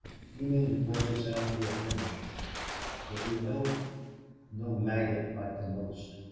You mean to play this out to a finish.... But you're no no maggot like the most.